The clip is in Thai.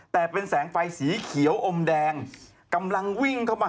แต่เป็นแสงไฟสีเขียวอมแดงกำลังวิ่งเข้ามา